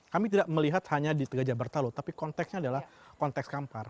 kami tidak melihat hanya di gajah bertalu tapi konteksnya adalah konteks kampar